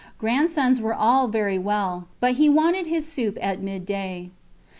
Grandsons were all very well, but he wanted his soup at midday.